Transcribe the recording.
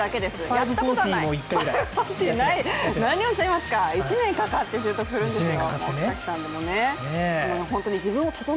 やったことない、何をおっしゃるんですか１年かかって習得するんですよ！